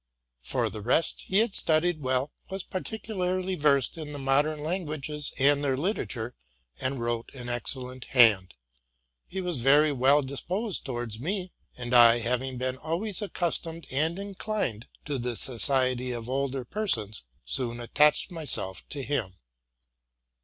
For the rest, he had studied well, was particularly versed in the modern languages and their literature, and wrote an excellent hand. He was very well disposed towards me; and 1, having been always accustomed and inclined to the society of older persons, soon attached myself to him.